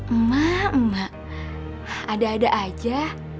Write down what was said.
emak emak ada ada aja